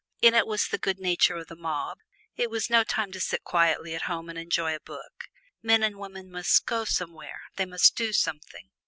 In it was the good nature of the mob. It was no time to sit quietly at home and enjoy a book men and women must "go somewhere," they must "do something."